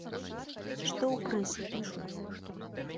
Што ў прэсе пішуць?